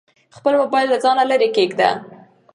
خپل موبایل له ځانه لیرې کېږده.